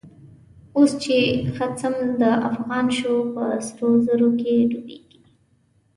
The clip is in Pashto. اوس چه خصم دافغان شو، په سرو زرو کی ډوبیږی